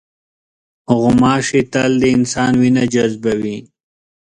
غوماشې تل د انسان وینه جذبوي.